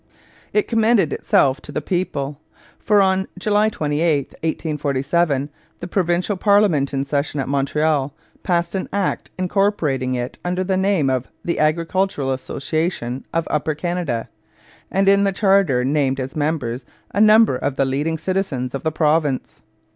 It commended itself to the people, for on July 28, 1847, the provincial parliament in session at Montreal passed an act incorporating it under the name of the Agricultural Association of Upper Canada, and in the charter named as members a number of the leading citizens of the province.